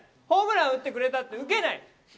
ホームラン打ってくれたって受けない！